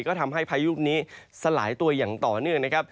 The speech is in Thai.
ก็ทำให้พายุลูกนี้สลายตัวอย่างต่อเนื่องนะครับ